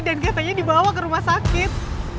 dan katanya dibawa ke rumah sakit